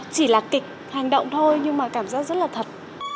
chỉ là kịch hành động thôi nhưng mà cảm giác rất là thật